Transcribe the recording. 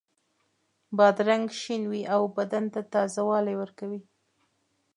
بادرنګ شین وي او بدن ته تازه والی ورکوي.